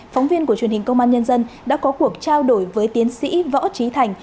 phóng viên của truyền hình công an nhân dân đã có cuộc trao đổi với tiến sĩ võ trí thành